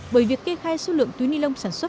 bởi việc kê khai số lượng túi ni lông sản xuất